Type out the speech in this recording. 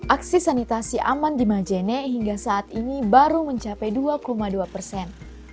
aksi sanitasi aman di majene hingga saat ini baru mencapai dua dua persen